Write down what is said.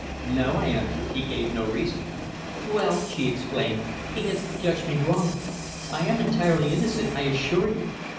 "No," I answered. "He gave no reason." "Well," she explained, "he has judged me wrongly. I am entirely innocent, I assure you.